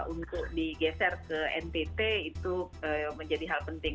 untuk digeser ke ntt itu menjadi hal penting